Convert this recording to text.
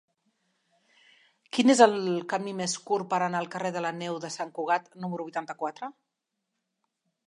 Quin és el camí més curt per anar al carrer de la Neu de Sant Cugat número vuitanta-quatre?